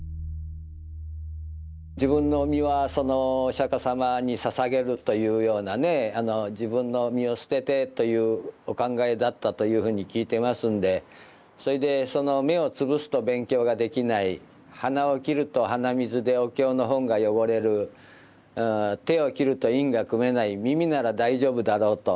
自分の身はそのお釈迦様にささげるというようなね自分の身を捨ててというお考えだったというふうに聞いてますんでそれでその目を潰すと勉強ができない鼻を切ると鼻水でお経の本が汚れる手を切ると印が組めない耳なら大丈夫だろうと。